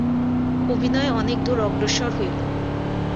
অভিনয় অনেক দুর অগ্রসর হইল।